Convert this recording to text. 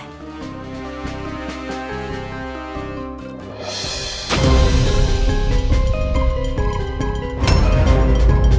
baik mari sembuhkan tanganmu